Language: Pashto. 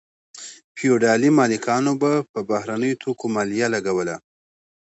فیوډالي مالکانو په بهرنیو توکو مالیه لګوله.